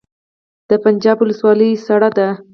د پنجاب ولسوالۍ سړه ده